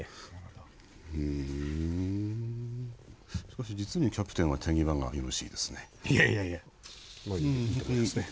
しかし実にキャプテンは手際がよろしいですね。